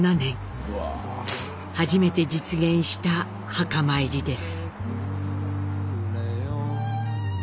初めて実現した墓参りです。